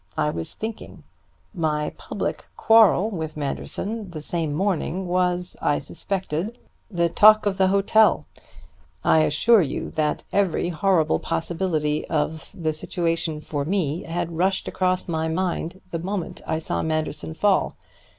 I was thinking. My public quarrel with Manderson the same morning was, I suspected, the talk of the hotel. I assure you that every horrible possibility of the situation for me had rushed across my mind the moment I saw Manderson fall.